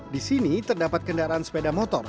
di sini terdapat kendaraan sepeda motor